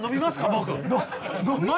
僕。